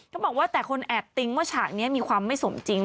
เขาบอกว่าแต่คนแอบติ้งว่าฉากนี้มีความไม่สมจริง